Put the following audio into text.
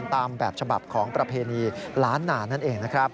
ตามแบบฉบับของประเพณีล้านนานั่นเองนะครับ